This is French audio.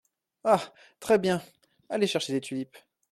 Ah ! très bien !… allez chercher des tulipes…